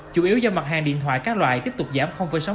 chủ yếu do mặt hàng điện thoại các loại tiếp tục giảm sáu mươi